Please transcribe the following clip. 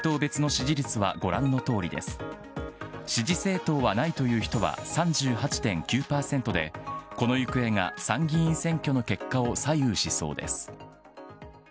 支持政党はないという人は３８．９％で、この行方が参議院選挙の結果を左右しそうです。